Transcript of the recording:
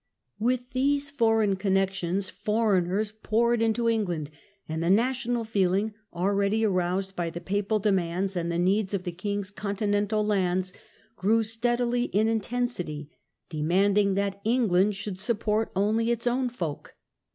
With these foreign connections foreigners poured into England; and the national feeling, already aroused by the papal demands, and the needs of the king's continental lands, grew steadily in intensity, de manding that England should support only its own folk.